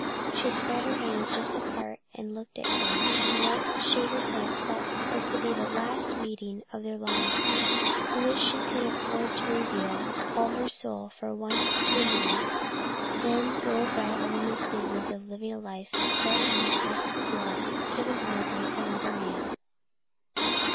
She spread her hands just apart and looked at him in what she herself felt was to be the last meeting of their lives; in which she could afford to reveal all her soul for once to a man, and then go about a woman's business of living a life fed on the husks of love given her by some other man.